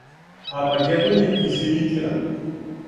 Армагедон је изиритиран..